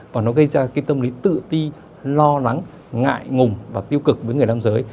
và nó gây ra cái tâm lý tự ti lo lắng ngại ngùng và tiêu cực với người nam giới